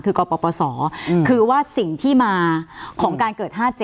คือกปศคือว่าสิ่งที่มาของการเกิด๕๗